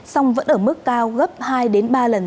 song vẫn ở mức cao gấp hai đến ba lần